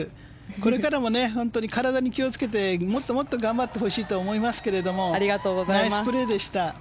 これからも体に気をつけてもっともっと頑張ってほしいと思いますけれどナイスプレーでした。